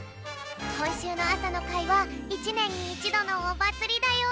こんしゅうのあさのかいは１ねんに１どのおまつりだよ！